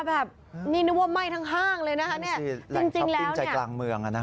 แบบนี่นึกว่าไหม้ทั้งห้างเลยนะคะเนี่ยจริงจริงแล้วเนี่ยแหล่งชอปปิ้นใจกลางเมืองอ่ะนะคะ